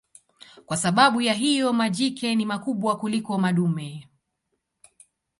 Kwa sababu ya hiyo majike ni wakubwa kuliko madume.